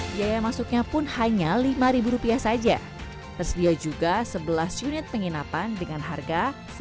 biaya masuknya pun hanya lima rupiah saja tersedia juga sebelas unit penginapan dengan harga